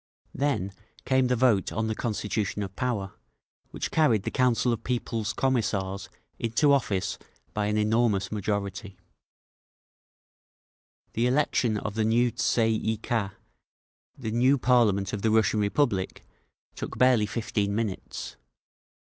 Then came the vote on the Constitution of Power, which carried the Council of People's Commissars into office by an enormous majority…. The election of the new Tsay ee kah, the new parliament of the Russian Republic, took barely fifteen minutes.